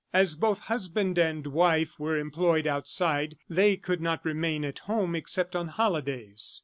As both husband and wife were employed outside, they could not remain at home except on holidays.